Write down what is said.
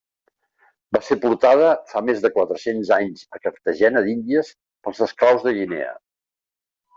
Va ser portada fa més de quatre-cents anys a Cartagena d'Índies pels esclaus de Guinea.